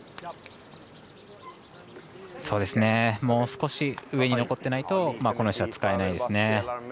もう少し上に残ってないとこの石は使えないですね。